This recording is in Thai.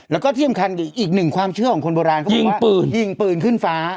แล้วก็ที่สำคัญอีกหนึ่งความเชื่อของคนโบราณเขายิงปืนยิงปืนขึ้นฟ้า